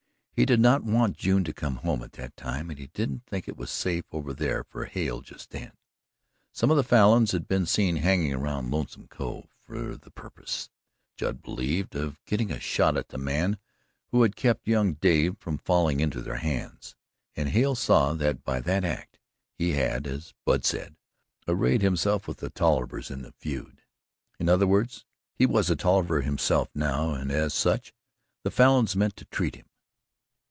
He did not want June to come home at that time, and he didn't think it was safe over there for Hale just then. Some of the Falins had been seen hanging around Lonesome Cove for the purpose, Judd believed, of getting a shot at the man who had kept young Dave from falling into their hands, and Hale saw that by that act he had, as Budd said, arrayed himself with the Tollivers in the feud. In other words, he was a Tolliver himself now, and as such the Falins meant to treat him.